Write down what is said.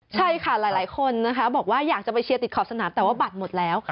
ใช่ค่ะหลายคนนะคะบอกว่าอยากจะไปเชียร์ติดขอบสนามแต่ว่าบัตรหมดแล้ว